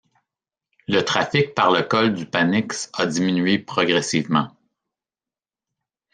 Le trafic par le col du Panix a diminué progressivement.